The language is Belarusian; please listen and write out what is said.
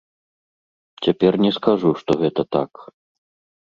Цяпер не скажу, што гэта так.